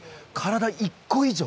体１個以上。